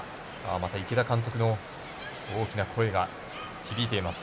また池田監督の大きな声が響いています。